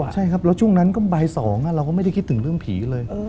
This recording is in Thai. ใช่ครับแล้วช่วงนั้นก็บ่าย๒เราก็ไม่ได้คิดถึงเรื่องผีกันเลย